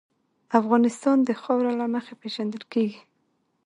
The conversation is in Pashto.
افغانستان د خاوره له مخې پېژندل کېږي.